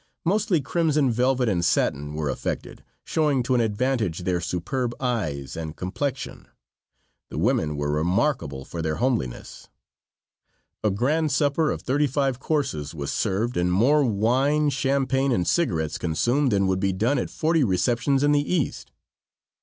Mostly crimson velvet and satin were affected, showing to an advantage their superb eyes and complexion. The women were remarkable for their homeliness. A grand supper of thirty five courses was served and more wine, champagne and cigarettes consumed than would be done at forty receptions in the East.